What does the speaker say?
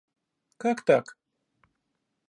Как так?